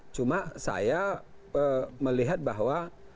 cuma saya melihat bahwa